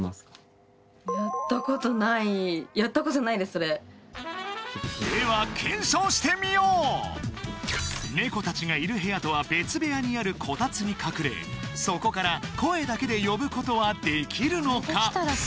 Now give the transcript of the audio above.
それでは検証してみよう猫たちがいる部屋とは別部屋にあるコタツに隠れそこから声だけで呼ぶことはできるのか